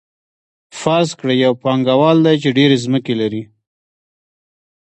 فرض کړئ یو پانګوال دی چې ډېرې ځمکې لري